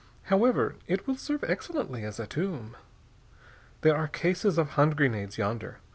However, it will serve excellently as a tomb. There are cases of hand grenades yonder.